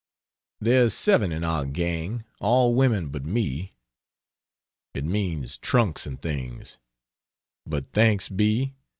There's 7 in our gang. All women but me. It means trunks and things. But thanks be!